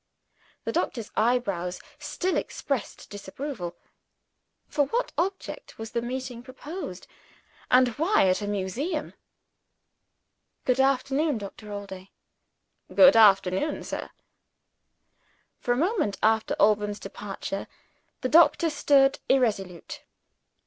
The doctor's eyebrows still expressed disapproval. For what object was the meeting proposed? And why at a museum? "Good afternoon, Doctor Allday." "Good afternoon, sir." For a moment after Alban's departure, the doctor stood irresolute.